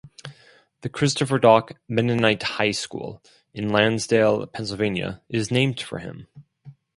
The Christopher Dock Mennonite High School, in Lansdale, Pennsylvania, is named for him.